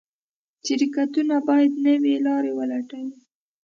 شرکتونه باید نوې لارې ولټوي.